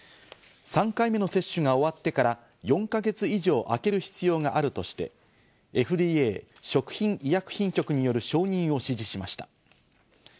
３回目の接種が終わってから４か月以上あける必要があるとして、ＦＤＡ＝食品医薬品局による承認を支持しました。